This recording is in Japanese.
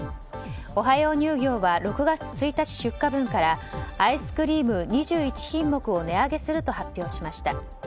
オハヨー乳業は６月１日出荷分からアイスクリーム２１品目を値上げすると発表しました。